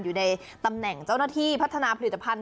อยู่ในตำแหน่งเจ้าหน้าที่พัฒนาผลิตภัณฑ